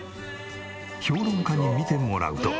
評論家に見てもらうと。